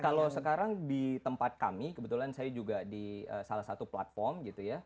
kalau sekarang di tempat kami kebetulan saya juga di salah satu platform gitu ya